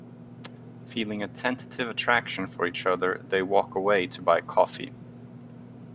Feeling a tentative attraction for each other, they walk away to buy coffee.